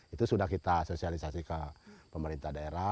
itu sudah kita sosialisasi ke pemerintah daerah